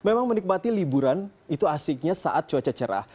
memang menikmati liburan itu asiknya saat cuaca cerah